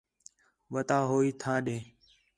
وَتا ہوئی تھاں ݙے